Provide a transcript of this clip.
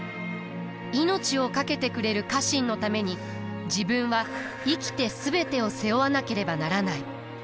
命を懸けてくれる家臣のために自分は生きて全てを背負わなければならない。